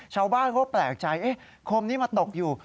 ชาวบ้านเขาแปลกใจคมนี้มาตกอยู่